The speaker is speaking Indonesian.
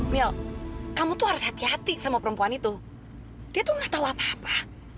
mil kamu harus hati hati sama perempuan itu dia itu tidak tahu apa apa